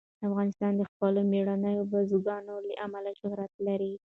افغانستان د خپلو مېړنیو بزګانو له امله شهرت لري.